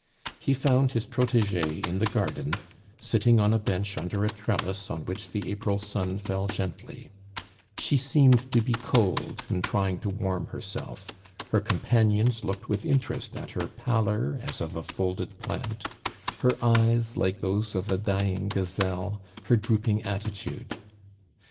He found his protegee in the garden, sitting on a bench under a trellis on which the April sun fell gently; she seemed to be cold and trying to warm herself; her companions looked with interest at her pallor as of a folded plant, her eyes like those of a dying gazelle, her drooping attitude.